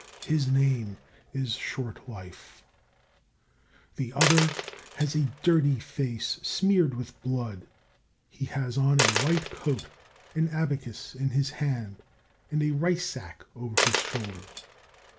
His name is Short Life. The other has a dirty face smeared with blood; he has on a white coat, an abacus in his hand and a rice sack over his shoulder.